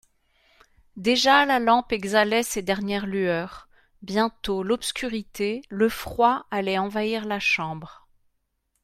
Déjà la lampe exhalait ses dernières lueurs ; bientôt l'obscurité, le froid, allaient envahir la chambre.